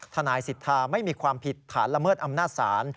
ทนายสิทธาไม่มีความผิดฐานละเมิดอำนาจศาล